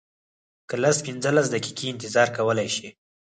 که لس پنځلس دقیقې انتظار کولی شې.